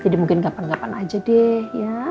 jadi mungkin gapan gapan aja deh